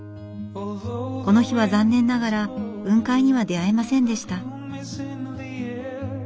この日は残念ながら雲海には出会えませんでした。